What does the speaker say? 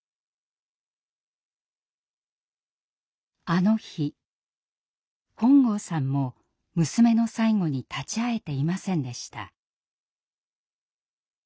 あの日本郷さんも娘の最期に立ち会えていませんでした。